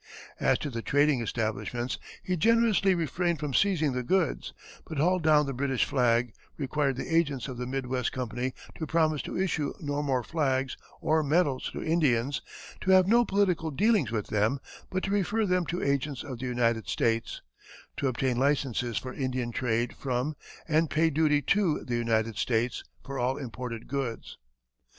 As to the trading establishments, he generously refrained from seizing the goods, but hauled down the British flag; required the agents of the Northwest Company to promise to issue no more flags or medals to Indians, to have no political dealings with them, but to refer them to agents of the United States; to obtain licenses for Indian trade from and pay duty to the United States for all imported goods.